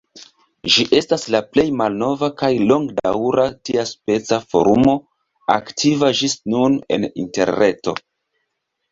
Ĝi estas la plej malnova kaj longedaŭra tiaspeca forumo aktiva ĝis nun en Interreto.